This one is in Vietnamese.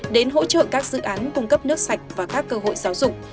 đến hỗ trợ các dự án cung cấp nước sạch và các cơ hội giáo dục